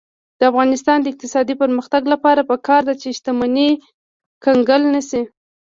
د افغانستان د اقتصادي پرمختګ لپاره پکار ده چې شتمني کنګل نشي.